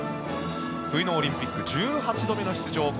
冬のオリンピック１８度目の出場